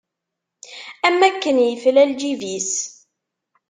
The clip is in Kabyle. Am akken yefla lǧib-is.